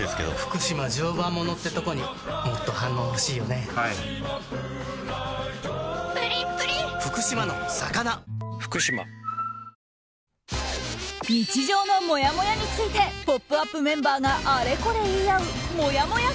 今日はタロット占いまで日常のもやもやについて「ポップＵＰ！」メンバーがあれこれ言い合うもやもや